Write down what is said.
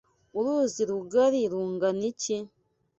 Uruzi rugari rungana iki?